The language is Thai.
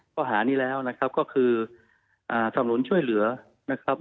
ข้อหานี้แล้วนะครับก็คือสำนุนช่วยเหลือนะครับ